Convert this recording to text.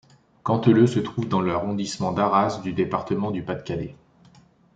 Canteleux se trouve dans l'arrondissement d'Arras du département du Pas-de-Calais.